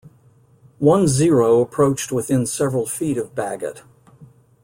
One Zero approached within several feet of Baggett.